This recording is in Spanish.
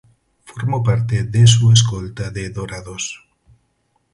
Formó parte de su escolta de ""Dorados"".